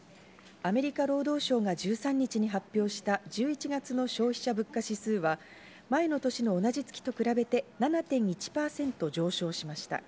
アメリカ労働省が１３日に発表した１１月の消費者物価指数は、前の年の同じ月と比べて７．１％上昇しました。